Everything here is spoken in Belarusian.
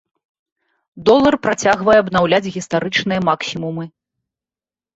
Долар працягвае абнаўляць гістарычныя максімумы.